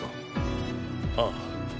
ああ。